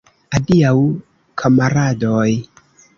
Adiaŭ, kamaradoj!